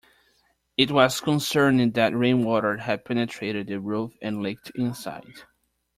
It was concerning that rainwater had penetrated the roof and leaked inside.